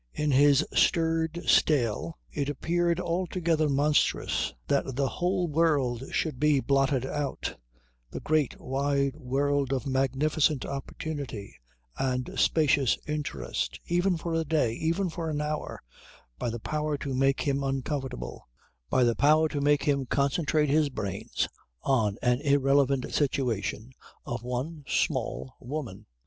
In his stirred stale it appeared altogether monstrous that the whole world should be blotted out, the great wide world of magnificent opportunity and spacious interest, even for a day, even for an hour, by the power to make him uncomfortable, by the power to make him concentrate his brains on an irrelevant situation, of one small woman.